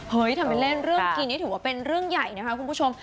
ทำเป็นเล่นเรื่องกินนี่ถือว่าเป็นเรื่องใหญ่นะคะคุณผู้ชม